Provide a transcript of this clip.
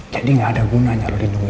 jadi gak ada gunanya lo lindungi dia